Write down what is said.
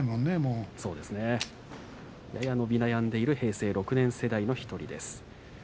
やや伸び悩んでいる平成６年世代の１人です。